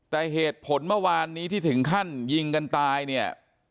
แต่เหตุผลเมื่อวานนี้ที่ถึงขั้นยิงกันตายเนี่ย